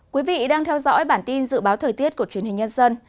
quý vị đang theo dõi bản tin dự báo thời tiết của truyền hình nhân dân